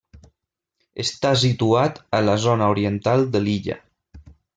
Està situat a la zona oriental de l'illa.